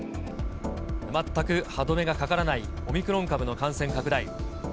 全く歯止めがかからないオミクロン株の感染拡大。